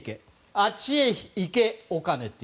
あっちへ行け、お金と。